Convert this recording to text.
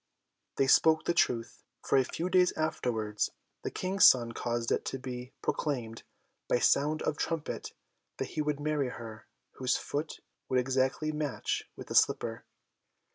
They spoke the truth; for a few days afterwards the King's son caused it to be proclaimed by sound of trumpet that he would marry her whose foot would exactly match with the slipper.